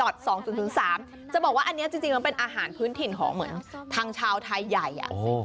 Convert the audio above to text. จะบอกว่าอันนี้จริงมันเป็นอาหารพื้นถิ่นของเหมือนทางชาวไทยใหญ่